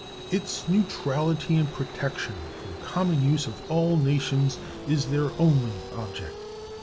Its neutrality and protection for the common use of all nations is their only object.